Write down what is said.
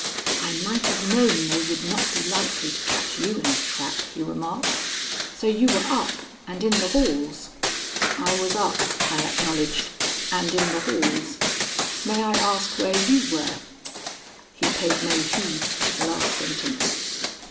"I might have known they would not be likely to catch you in a trap," he remarked. "So you were up and in the halls?" "I was up," I acknowledged, "and in the halls. May I ask where you were?" He paid no heed to the last sentence.